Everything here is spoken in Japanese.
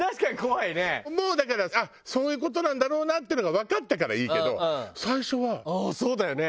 もうだからあっそういう事なんだろうなっていうのがわかったからいいけど最初は。ああそうだよね。